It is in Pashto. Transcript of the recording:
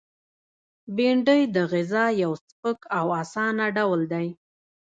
بېنډۍ د غذا یو سپک او آسانه ډول دی